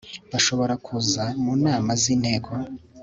bashobora kuza mu nama z inteko